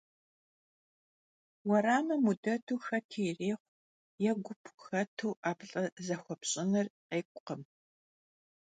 Vueramım vutêtu xeti yirêxhui yê gup vuxetu 'eplh'e zexuepş'ınır khêk'ukhım.